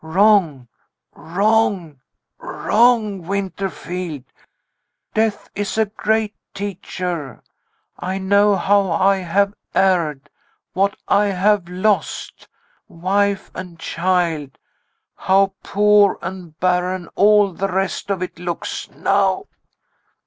Wrong, wrong, wrong. Winterfield, Death is a great teacher. I know how I have erred what I have lost. Wife and child. How poor and barren all the rest of it looks now!"